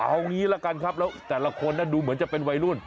เอางี้แล้วกันครับแต่ละคนน่าดูเหมือนจะมีวัยรุ่น